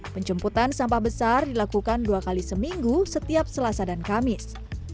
penjemputan sampah besar dilakukan dua kali seminggu setiap selasa dan kamis